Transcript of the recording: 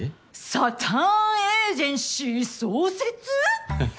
サタン・エージェンシー創設？ははっ。